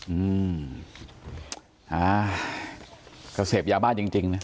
อืมอ่าเค้าเสพยาบ้าจริงนะ